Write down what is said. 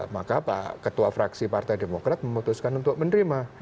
maka pak ketua fraksi partai demokrat memutuskan untuk menerima